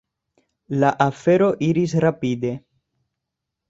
La afero iris rapide.